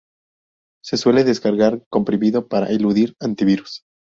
Se suele descargar comprimido para eludir antivirus.